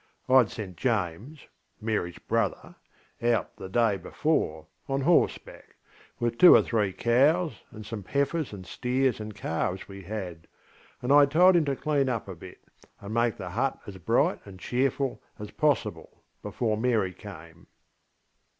IŌĆÖd sent James (MaryŌĆÖs brother) out the day before, on horseback, with two or three cows and some heifers and steers and calves we had, and IŌĆÖd told him to clean up a bit, and make the hut as bright and cheerful as possible before Mary came.